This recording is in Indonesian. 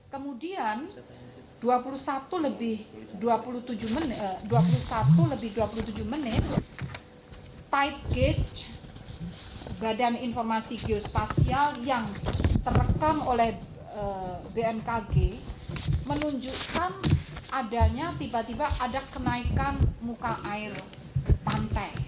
kemudian dua puluh satu lebih dua puluh tujuh menit pipe gauge badan informasi geospasial yang terekam oleh bmkg menunjukkan adanya tiba tiba ada kenaikan muka air pantai